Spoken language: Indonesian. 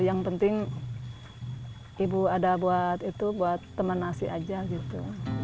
yang penting ibu ada buat itu buat teman nasi aja gitu